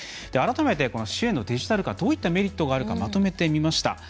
改めて、支援のデジタル化どういったメリットがあるかまとめてみました。